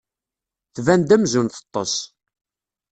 Tban-d amzun teṭṭes.